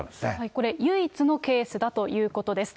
これ、唯一のケースだということです。